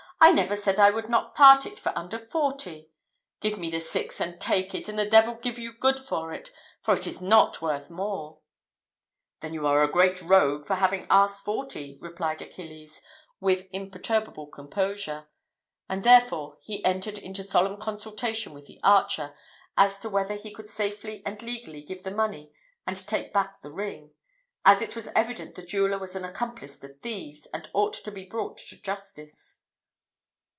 "I never said I would not part with it under forty. Give me the six, and take it, and the devil give you good for it; for it is not worth more." "Then you are a great rogue for having asked forty," replied Achilles, with imperturbable composure: and, thereupon, he entered into solemn consultation with the archer, as to whether he could safely and legally give the money and take back the ring; as it was evident the jeweller was an accomplice of thieves, and ought to be brought to justice.